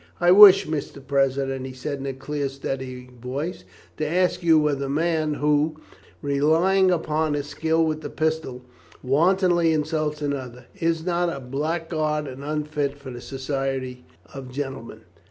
"I wish, Mr. President," he said in a clear, steady voice, "to ask you, whether a man who, relying upon his skill with the pistol, wantonly insults another, is not a blackguard and unfit for the society of gentlemen?"